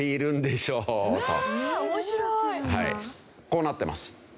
こうなってます。